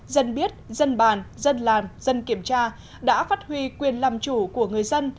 dân biết dân bàn dân làm dân kiểm tra đã phát huy quyền làm chủ của người dân